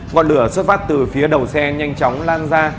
ngọn lửa xuất phát từ phía đầu xe nhanh chóng lan ra